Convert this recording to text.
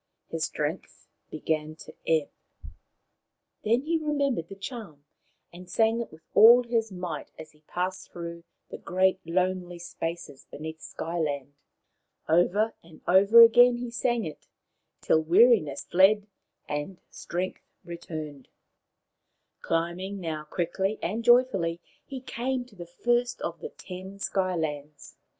His strength began to ebb. Then he remembered the charm, and sang it with all his might as he passed through the great lonely spaces beneath Sky land. Over and over again he sang it, till weariness fled and strength returned. Climbing now quickly and joyfully, he came to the first of the ten Sky lands.